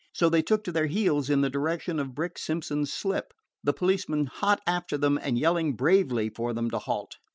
So they took to their heels in the direction of Brick Simpson's slip, the policemen hot after them and yelling bravely for them to halt.